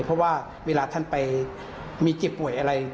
เพราะว่าเวลาท่านไปมีเจ็บป่วยอะไร